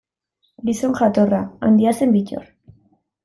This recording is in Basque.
Gizon jatorra, handia zen Bittor.